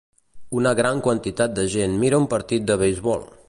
Una gran quantitat de gent mira un partit de beisbol.